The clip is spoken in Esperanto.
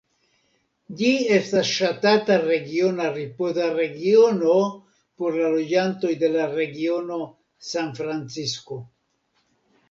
Ĝi estas ŝatata regiona ripoza regiono por la loĝantoj de la regiono San Francisko.